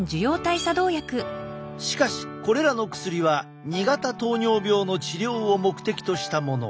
しかしこれらの薬は２型糖尿病の治療を目的としたもの。